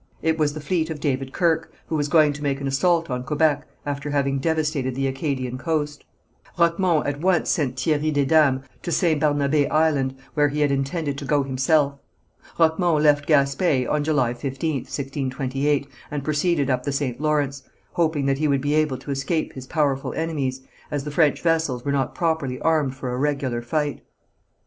It was the fleet of David Kirke, who was going to make an assault on Quebec, after having devastated the Acadian coast. Roquemont at once sent Thierry Desdames to St. Barnabé Island, where he had intended to go himself. Roquemont left Gaspé on July 15th, 1628, and proceeded up the St. Lawrence, hoping that he would be able to escape his powerful enemies, as the French vessels were not properly armed for a regular fight.